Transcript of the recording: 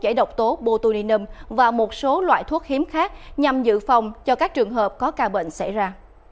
giải độc tố botulinum và một số loại thuốc hiếm khác nhằm dự phòng cho các trường hợp có ca bệnh xảy ra